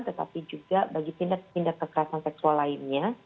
tetapi juga bagi tindak tindak kekerasan seksual lainnya